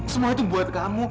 semua itu buat kamu